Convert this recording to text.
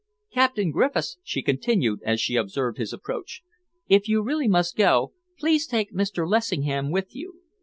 Captain Griffiths," she continued, as she observed his approach, "if you really must go, please take Mr. Lessingham with you.